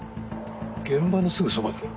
現場のすぐそばだな。